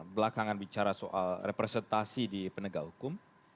belakangan bicara soal representasi di penegak hukum